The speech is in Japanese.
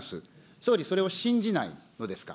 総理、それを信じないのですか。